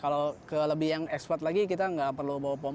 kalau ke lebih yang expert lagi kita nggak bisa bawa ban cadangan